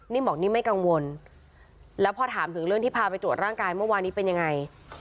บอกนิ่มไม่กังวลแล้วพอถามถึงเรื่องที่พาไปตรวจร่างกายเมื่อวานนี้เป็นยังไง